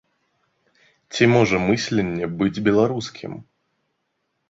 Ці можа мысленне быць беларускім?